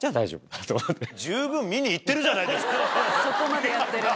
そこまでやってる。